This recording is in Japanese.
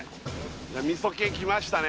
味噌系きましたね